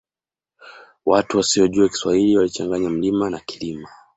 Watu wasiyojua kiswahili walichanganya mlima na kilima